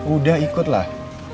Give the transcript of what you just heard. udah ikut lah